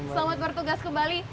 selamat bertugas kembali